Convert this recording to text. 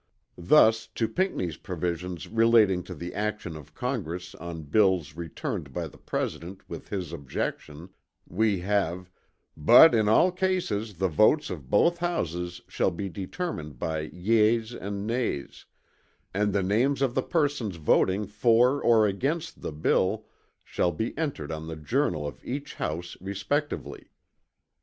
Thus to Pinckney's provisions relating to the action of Congress on bills returned by the President with his objections, we have, "But, in all cases, the votes of both Houses shall be determined by yeas and nays; and the names of the persons voting for or against the bill shall be entered on the Journal of each House respectively."